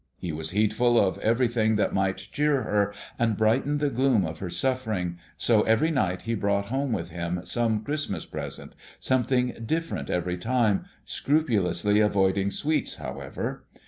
He was heedful of everything that might cheer her and brighten the gloom of her suffering, so every night he brought home with him some Christmas present, something different every time, scrupulously avoiding sweets, however.